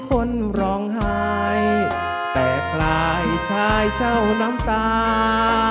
คนร้องหายแต่คลายชายเจ้าน้ำตา